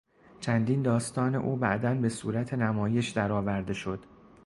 چندین داستان او بعدا به صورت نمایش درآورده شد.